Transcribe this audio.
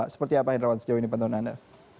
seperti apa hendrawan sejauh ini pantauan anda